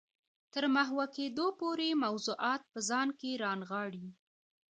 تر محوه کېدو پورې موضوعات په ځان کې رانغاړي.